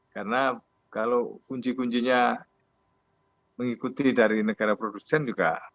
karena kalau kunci kuncinya mengikuti dari negara produksi juga